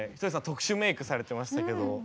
特殊メークされてましたけど。